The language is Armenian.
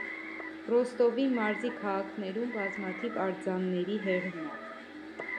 Ռոստովի մարզի քաղաքներում բազմաթիվ արձանների հեղինակ։